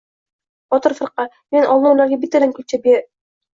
Botir firqa. — Men oldin ularga bittadan kulcha be-